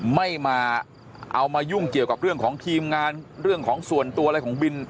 ไม่มาเอามายุ่งเกี่ยวกับเรื่องของทีมงานเรื่องของส่วนตัวอะไรของบิน